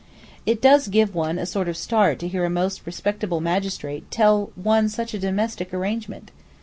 It does give one a sort of start to hear a most respectable magistrate tell one such a domestic arrangement.